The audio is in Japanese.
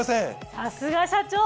さすが社長！